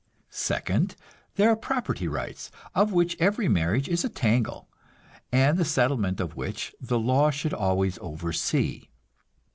Second, there are property rights, of which every marriage is a tangle, and the settlement of which the law should always oversee.